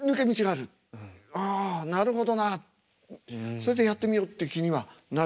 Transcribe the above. それでやってみようって気にはなる。